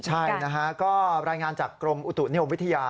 ใช่นะฮะก็รายงานจากกรมอุตุนิยมวิทยา